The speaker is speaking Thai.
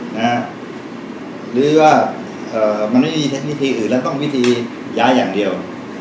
หรือว่ามันไม่มีวิธีอื่นและต้องวิธีย้ายอย่างเดียว